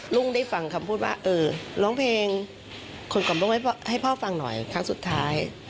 ลุงได้ฟังคำพูดว่าเออร้องเพลงคนกำรุงไว้ให้พ่อฟังหน่อยครั้งสุดท้าย